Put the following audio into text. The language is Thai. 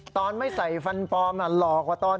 ตอนไม่ใส่ฟันปลอมหล่อกว่าตอน